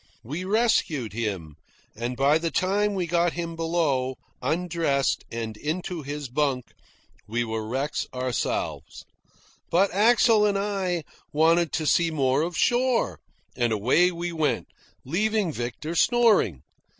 We rescued him, and by the time we got him below, undressed, and into his bunk, we were wrecks ourselves. But Axel and I wanted to see more of shore, and away we went, leaving Victor snoring.